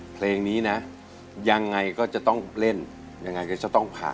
เพลงนี้นะยังไงก็จะต้องเล่นยังไงก็จะต้องผ่าน